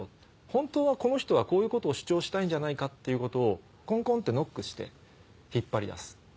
本当はこの人はこういうことを主張したいんじゃないかっていうことをコンコンってノックして引っ張り出す。